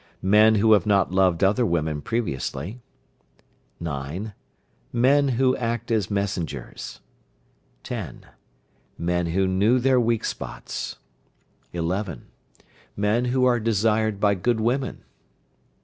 Men who have not loved other women previously. 9. Men who act as messengers. 10. Men who knew their weak points. 11. Men who are desired by good women.